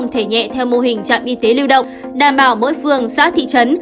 thẻ nhẹ theo mô hình trạm y tế lưu động đảm bảo mỗi phường xã thị trấn